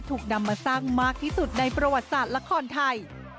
ถูกนำมาสร้างมากที่สุดในประวัติศาสตร์ละครไทย